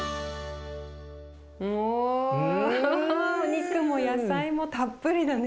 お肉も野菜もたっぷりだね。